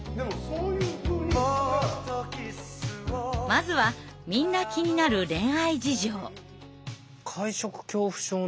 まずはみんな気になる恋愛事情。